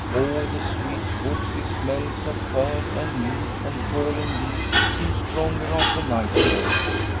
All the sweet woodsy smells of fern and mint and fallen leaves seem stronger after nightfall.